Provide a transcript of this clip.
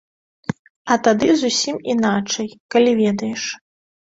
А тады зусім іначай, калі ведаеш.